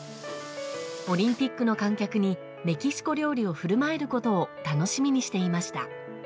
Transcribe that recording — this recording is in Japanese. オリンピックの観客にメキシコ料理を振る舞えることを楽しみにしていました。